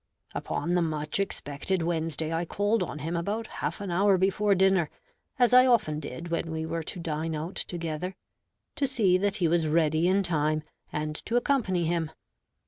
Upon the much expected Wednesday I called on him about half an hour before dinner, as I often did when we were to dine out together, to see that he was ready in time, and to accompany him.